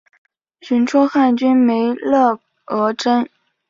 寻擢汉军梅勒额真。